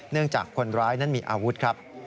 จากคนร้ายนั้นมีอาวุธครับ